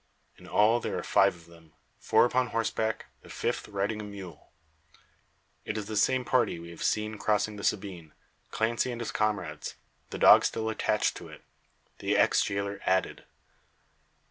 In all there are five of them; four upon horseback, the fifth riding a mule. It is the same party we have seen crossing the Sabine Clancy and his comrades the dog still attached to it, the ex jailer added.